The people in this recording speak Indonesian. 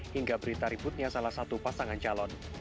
hingga berita ributnya salah satu pasangan calon